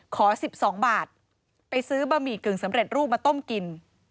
ขอ๑๒บาทไปซื้อบะหมี่กึ่งสำเร็จรูปมาต้มกิน